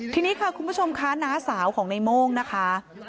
ทีนี้ค่ะคุณผู้ชมค่ะน้าสาวของในโม่งนะคะ